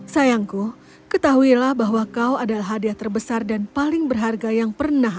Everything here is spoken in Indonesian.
sayangku ketahuilah bahwa kau adalah hadiah terbesar dan paling berharga yang pernah